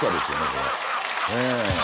これええ。